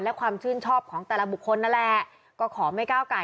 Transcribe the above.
และความชื่นชอบของแต่ละบุคคลนั่นแหละก็ขอไม่ก้าวไก่